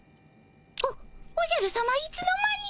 おおじゃるさまいつの間に。